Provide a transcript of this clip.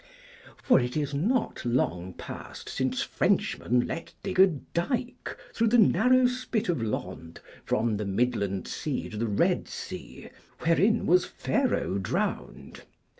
For it is not long past since Frenchmen let dig a dyke, through the narrow spit of lond, from the Midland sea to the Red sea, wherein was Pharaoh drowned.